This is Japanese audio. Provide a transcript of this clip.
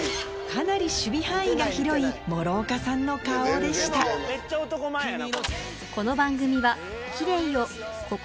かなり守備範囲が広い諸岡さんの顔でしたえっといるよ。